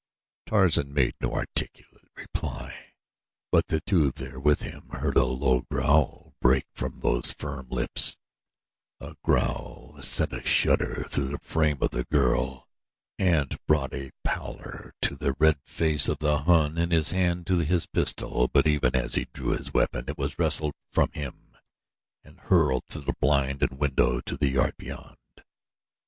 Tarzan made no articulate reply; but the two there with him heard a low growl break from those firm lips a growl that sent a shudder through the frame of the girl and brought a pallor to the red face of the Hun and his hand to his pistol but even as he drew his weapon it was wrested from him and hurled through the blind and window to the yard beyond.